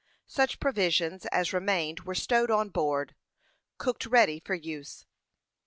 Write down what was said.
Such provisions as remained were stowed on board, cooked ready for use.